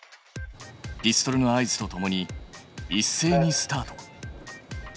ピストルの合図とともにいっせいにスタート。